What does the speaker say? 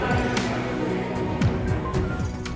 oh tuhan berhati hati